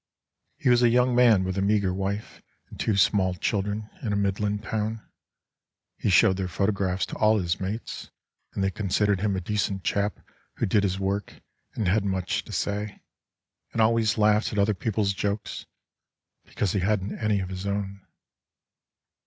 He was a young man with a meagre wife And two small children in a Midland town, He showed their photographs to all his mates, And they considered him a decent chap Who did his work and hadn't much to say, And always laughed at other people's jokes Because he hadn't any of his own.